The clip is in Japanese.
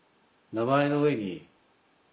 名前の上に。